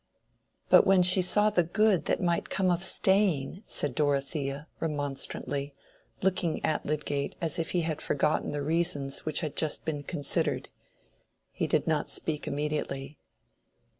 "But when she saw the good that might come of staying—" said Dorothea, remonstrantly, looking at Lydgate as if he had forgotten the reasons which had just been considered. He did not speak immediately.